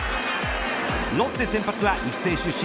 ロッテ先発は育成出身